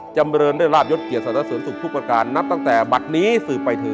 จำเริญได้ราบยศเกียรสวนสุขทุกประการนับตั้งแต่บัตรนี้สืบไปถึง